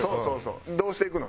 どうしていくの？